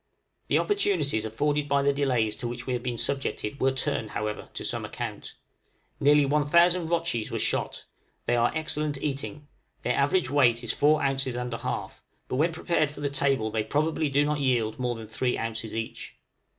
The opportunities afforded by the delays to which we have been subjected were turned, however, to some account. Nearly one thousand rotchies were shot; they are excellent eating; their average weight is four ounces and a half, but when prepared for the table they probably do not yield more than three ounces each.